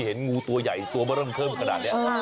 เห็นงูตัวใหญ่ตัวมาเริ่มเพิ่มขนาดนี้